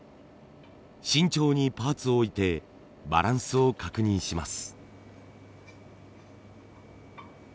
慎重にパーツを置いてバランスを確認します。